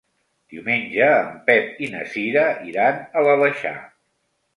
Diumenge en Pep i na Cira iran a l'Aleixar.